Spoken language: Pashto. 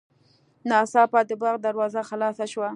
ناڅاپه د باغ دروازه خلاصه شوه.